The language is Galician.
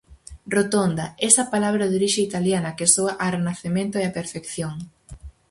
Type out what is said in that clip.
Rotonda, esa palabra de orixe italiana que soa a Renacemento e a perfección.